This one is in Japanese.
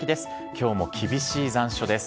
きょうも厳しい残暑です。